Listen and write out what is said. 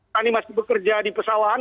tani masih bekerja di pesawahan